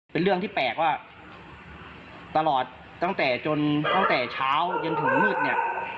เป็นเรื่องที่แปลกว่าตลอดตั้งแต่จนตั้งแต่เช้าจนถึงมืดเนี่ย